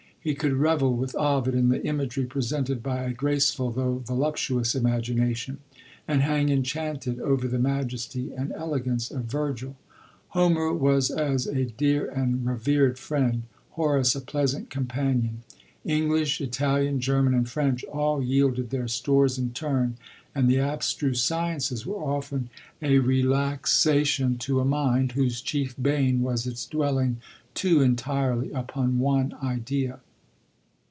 He could revel with Ovid in the imagery presented by a graceful, though voluptuous imagination ; and hang enchanted over the majesty and elegance of Virgil. Homer was as a dear and revered friend — Horace a pleasant companion. English, Italian, German, and French, all yielded their stores in turn ; and the abstruse sciences were often a relax vol. i. c 26 LODORE. ation to a mind, whose chief bane was its dwel ling too entirely upon one idea.